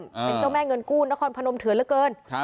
เป็นเจ้าแม่เงินกู้หนังคลพนมเถือนเหลือเกิน